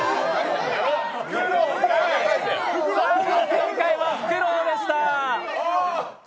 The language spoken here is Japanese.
正解はフクロウでした。